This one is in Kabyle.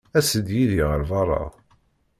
As-d yid-i ɣer beṛṛa.